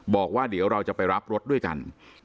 บอกว่าเดี๋ยวเราจะไปรับรถด้วยกัน